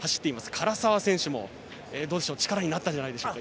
唐澤選手も力になったんじゃないでしょうか。